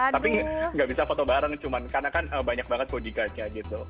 tapi gak bisa foto bareng cuma karena kan banyak banget bodyguard nya gitu